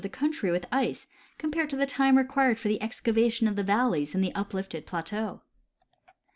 the country with ice compared to the time required for the ex cavation of the valleys in the uplifted plateau.